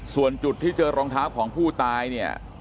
ส่วนจุดที่เจอรองเท้าของผู้ตายเนี่ย